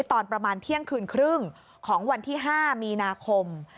ตอนประมาณเที่ยงคืนครึ่งของวันที่๕มีนาคม